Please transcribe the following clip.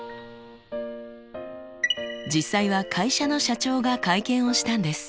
実際は会社の社長が会見をしたんです。